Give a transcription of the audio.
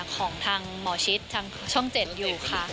ของทางหมอชิดทางช่อง๗อยู่ค่ะ